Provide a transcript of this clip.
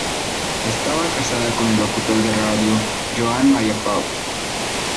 Estaba casada con el locutor de radio Joan Maria Pou.